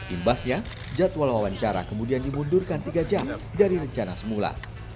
imbasnya jadwal wawancara kemudian dimundurkan tiga jam dari rencana semula